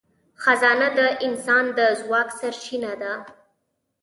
خزانه د انسان د ځواک سرچینه ده.